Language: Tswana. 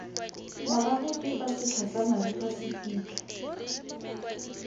Morago ke fa setlha sa mariga se fitlha.